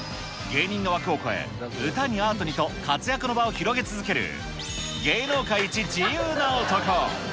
芸人の枠を超え、歌にアートにと活躍の場を広げ続ける芸能界イチ自由な男。